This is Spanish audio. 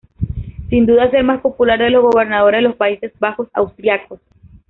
Sin duda es el más popular de los gobernadores de los Países Bajos Austriacos.